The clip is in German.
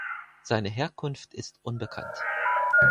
Seine Herkunft ist unbekannt.